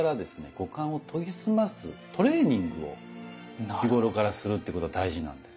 五感を研ぎ澄ますトレーニングを日頃からするということは大事なんです。